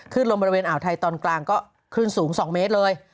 ลมบริเวณอ่าวไทยตอนกลางก็คลื่นสูง๒เมตรเลย